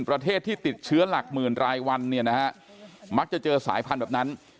ประเทศที่ติดเชื้อหลักหมื่นรายวันเนี่ยนะฮะมักจะเจอสายพันธุ์แบบนั้น